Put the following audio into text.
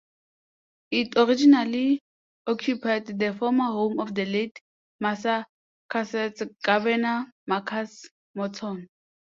It originally occupied the former home of the late Massachusetts Governor Marcus Morton.